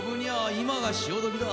今が汐時だ。